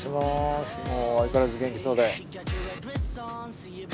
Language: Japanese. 相変わらず元気そうで。